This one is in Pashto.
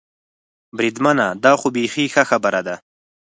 بریدمنه، دا خو بېخي ښه خبره ده.